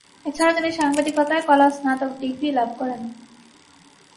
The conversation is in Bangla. এছাড়াও তিনি সাংবাদিকতায় কলা স্নাতক ডিগ্রি লাভ করেন।